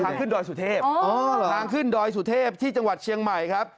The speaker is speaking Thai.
ทางขึ้นดอยสุเทพทางขึ้นดอยสุเทพที่จังหวัดเชียงใหม่ครับ